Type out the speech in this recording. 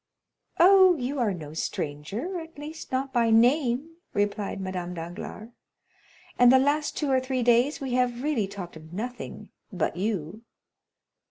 "Oh, you are no stranger—at least not by name," replied Madame Danglars, "and the last two or three days we have really talked of nothing but you.